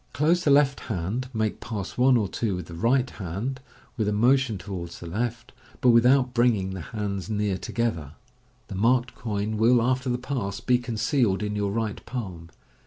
Close the left hand, make Pass 1 or 2 with the right hand, with a motion towards the left, but without bringing the hands near together. The marked coin will, after the pass, be concealed in your right palm.